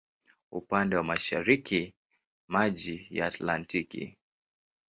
Upande wa mashariki maji ya Atlantiki.